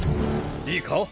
いいか？